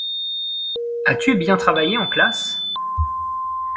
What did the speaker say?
As-tu bien travaillé en classe ?